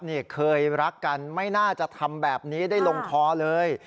นี่เคยรักกันไม่น่าจะทำแบบนี้ได้ลงคอเลย